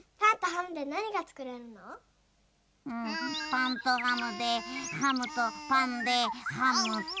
パンとハムでハムとパンでハムと。